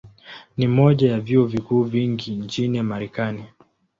Ni moja ya vyuo vikuu vingi zaidi nchini Marekani.